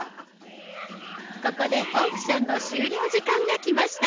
ここでオークションの終了時間が来ました。